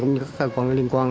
cũng như các cơ quan liên quan